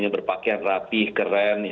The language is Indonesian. berpakaian rapih keren